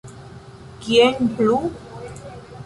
Kien plu?